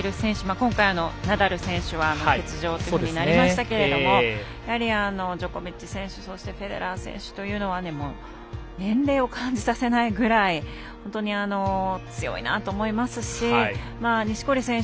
今回、ナダル選手は欠場ということになりましたがジョコビッチ選手そしてフェデラー選手というのは年齢を感じさせないぐらい本当に強いなと思いますし錦織選手